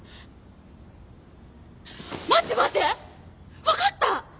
待って待って分かった！